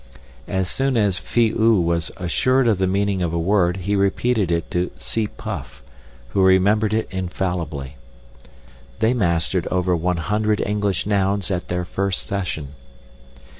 As soon as Phi oo was assured of the meaning of a word he repeated it to Tsi puff, who remembered it infallibly. They mastered over one hundred English nouns at their first session.